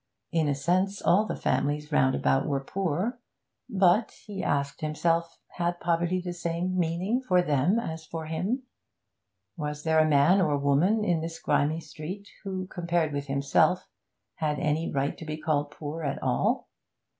In a sense, all the families round about were poor, but he asked himself had poverty the same meaning for them as for him? Was there a man or woman in this grimy street who, compared with himself, had any right to be called poor at all?